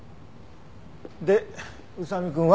で宇佐見くんは？